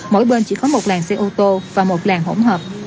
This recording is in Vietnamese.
mỗi bên chỉ có một làn xe ô tô và một làng hỗn hợp